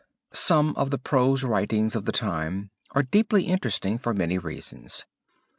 Some of the prose writings of the time are deeply interesting for many reasons.